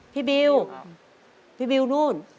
พี่บิล